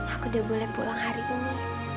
aku udah boleh pulang hari ini